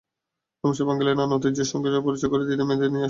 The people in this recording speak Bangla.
নববর্ষে বাঙালির নানা ঐতিহ্যের সঙ্গে পরিচয় করিয়ে দিতে মেয়েদের নিয়ে এসেছেন।